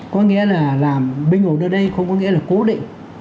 có nghĩa là làm bình ổn ở đây không có nghĩa là cố định